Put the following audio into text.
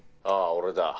「ああ俺だ」